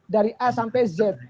dari a sampai z